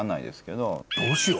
どうしよう？